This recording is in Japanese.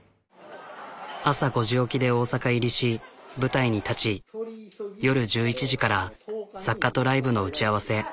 朝５時起きで大阪入りし舞台に立ち夜１１時から作家とライブの打ち合わせ。